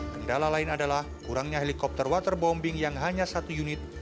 kendala lain adalah kurangnya helikopter waterbombing yang hanya satu unit